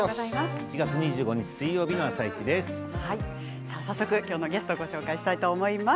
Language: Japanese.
１月２５日水曜日の「あさイチ」です。